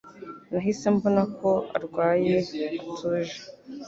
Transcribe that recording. Nahise mbona ko arwaye atuje.